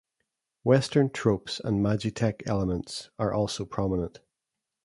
Western tropes and magitech elements are also prominent.